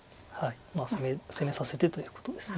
まあ攻めさせてということです。